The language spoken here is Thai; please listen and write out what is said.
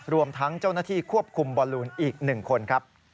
รวมทั้งเจ้าหน้าที่ควบคุมบอลลูนอีก๑คนครับ